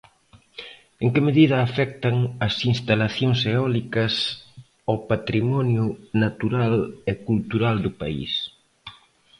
En que medida afectan as instalacións eólicas ao patrimonio natural e cultural do país?